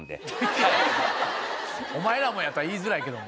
「お前らもや！」とは言いづらいけども。